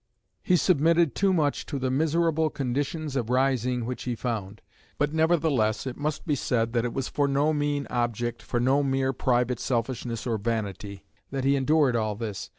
He submitted too much to the miserable conditions of rising which he found. But, nevertheless, it must be said that it was for no mean object, for no mere private selfishness or vanity, that he endured all this.